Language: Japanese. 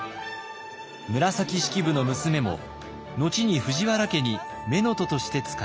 紫式部の娘も後に藤原家に乳母として仕えました。